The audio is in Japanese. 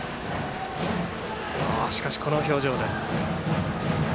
しかし、あの表情です。